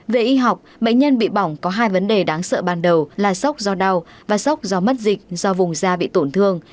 về y học bệnh nhân bị bỏng có hai vấn đề đáng sợ ban đầu là sốc do đau và sốc do mất dịch do vùng da bị tổn thương